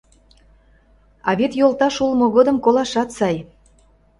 — А вет йолташ улмо годым колашат сай.